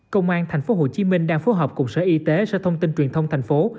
công an tp hcm đang phối hợp cùng sở y tế sở thông tin truyền thông thành phố